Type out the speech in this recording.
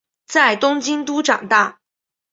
在东京都长大。